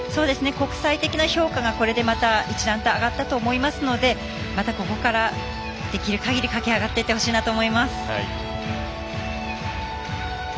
国際的な評価がこれでまた一段と上がったと思いますのでまたここからできるかぎり駆け上がっていってほしいなと思います。